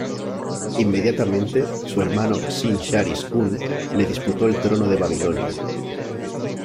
Inmediatamente, su hermano Sin-shar-ishkun le disputó el trono de Babilonia.